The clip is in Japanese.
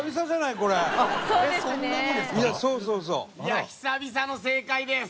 いやあ久々の正解です。